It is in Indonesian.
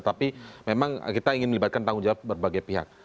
tapi memang kita ingin melibatkan tanggung jawab berbagai pihak